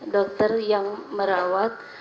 dokter yang merawat